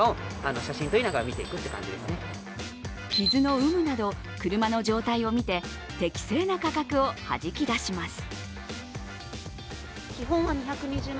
傷の有無など車の状態を見て適正な価格をはじき出します。